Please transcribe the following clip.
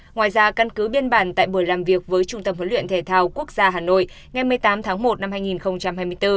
ngoài ra căn cứ biên bản tại buổi làm việc với trung tâm huấn luyện thể thao quốc gia hà nội ngày một mươi tám tháng một năm hai nghìn hai mươi bốn